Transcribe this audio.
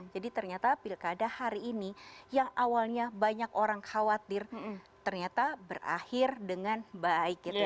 jadi ternyata pilkada hari ini yang awalnya banyak orang khawatir ternyata berakhir dengan baik gitu ya